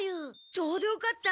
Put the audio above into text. ちょうどよかった！